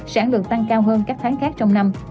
sản lượng tăng cao hơn các tháng khác trong năm